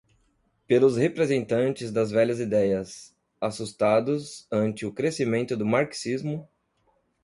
pelos representantes das velhas ideias, assustados ante o crescimento do marxismo